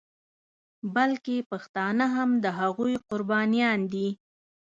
بلکې پښتانه هم د هغوی قربانیان دي.